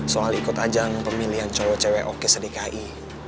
soal ikut ajang pemilihan cowok cewek oke sedekai